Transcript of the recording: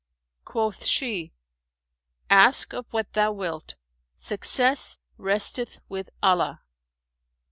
Quoth she, "Ask of what thou wilt; success resteth with Allah."